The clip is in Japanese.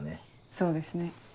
そうですね。